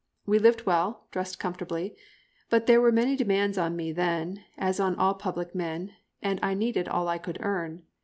We lived well, dressed comfortably; but there were many demands on me then, as on all public men, and I needed all I could earn.